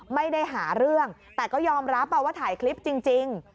ไม่ได้หาเรื่องแต่ก็ยอมรับว่าถ่ายคลิปจริง